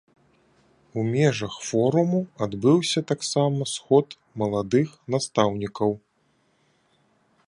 У межах форуму адбыўся таксама сход маладых настаўнікаў.